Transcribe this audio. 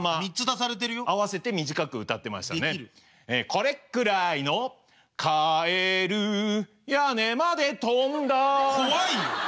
これくらいのかえるやねまでとんだ怖いよ。